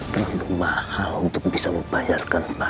terlalu mahal untuk bisa membayarkan